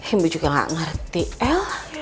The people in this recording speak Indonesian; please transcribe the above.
ibu juga ga ngerti el